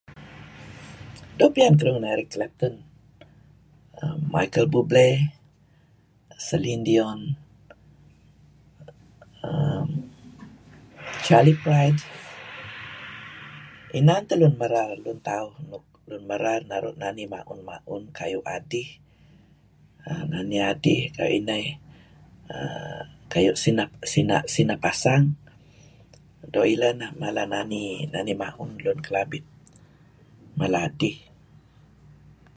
Doo' piyan keduih ngan Eric Clapton, Micheal Buble, Celine Dion err Charley Pride. Inan teh lun merar lun tauh nuk naru' nani ma'un-ma'un kayu' adih, nani adih kuayu inah err kayu' sina' Sinah Pasang, doo' ileh neh mala nani ma'un karuh lun Kelabit. Mala adih.